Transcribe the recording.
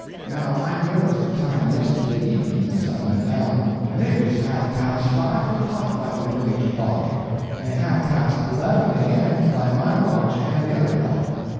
Now I noticed the time yesterday evening when the sun went down, and it was half past five o'clock by the Grinnage clock, and half past 11 A.M. by my watch and the other clock.